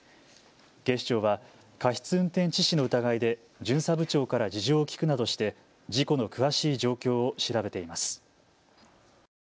警視庁は過失運転致死の疑いで巡査部長から事情を聴くなどして事故の詳しい状況を調べています。